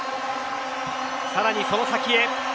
さらにその先へ。